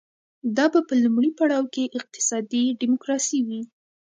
دا به په لومړي پړاو کې اقتصادي ډیموکراسي وي.